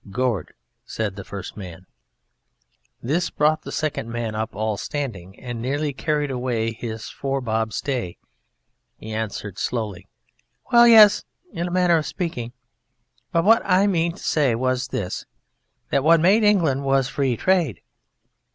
"Gord," said the first man. This brought the second man up all standing and nearly carried away his fore bob stay. He answered slowly "Well ... yes ... in a manner of speaking. But what I meant to say was like this, that what made England was Free Trade!"